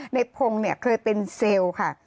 ในพงศ์เนี่ยเคยเป็นเซลล์ค่ะ